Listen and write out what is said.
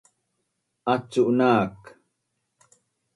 Acu nak